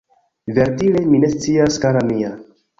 Verdire mi ne scias kara mia